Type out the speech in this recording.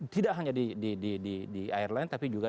tidak hanya di airline tapi juga di perusahaan